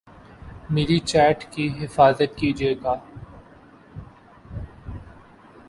میری چیٹ کی حفاظت کیجئے گا